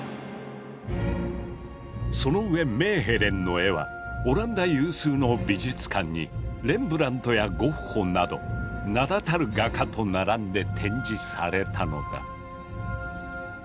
その上メーヘレンの絵はオランダ有数の美術館にレンブラントやゴッホなど名だたる画家と並んで展示されたのだ。